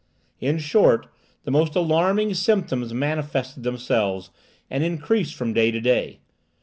In short, the most alarming symptoms manifested themselves and increased from day to day.